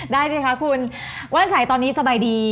ได้สิคะคุณว่านฉายตอนนี้สบายดี